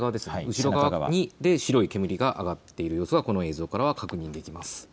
後ろ側で白い煙が上がっている様子がこの映像からは確認できます。